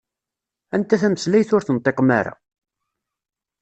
Anta tameslayt ur tenṭiqem-ara?